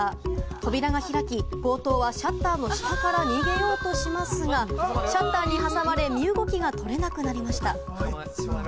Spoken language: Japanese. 扉が開き、強盗はシャッターの下から逃げようとしますが、シャッターに挟まれ身動きが取れなくなりました。